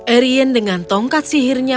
arian dengan tongkat sihirnya